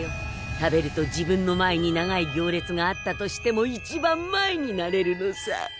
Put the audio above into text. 食べると自分の前に長い行列があったとしても一番前になれるのさ。